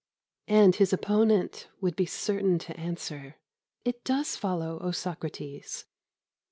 And his opponent would be certain to answer: "It does follow, O Socrates."